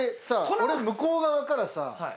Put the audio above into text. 俺向こう側からさ